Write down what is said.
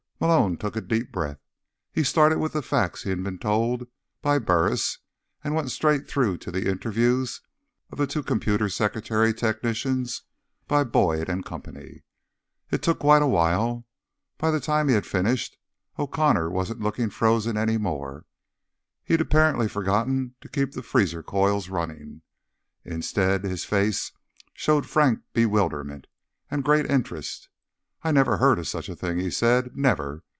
Malone took a deep breath. He started with the facts he'd been told by Burris, and went straight through to the interviews of the two computer secretary technicians by Boyd and Company. It took quite awhile. By the time he had finished, O'Connor wasn't looking frozen any more; he'd apparently forgotten to keep the freezer coils running. Instead, his face showed frank bewilderment, and great interest. "I never heard of such a thing," he said. "Never.